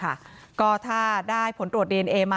แล้วก็ช่วยกันนำนายธีรวรรษส่งโรงพยาบาล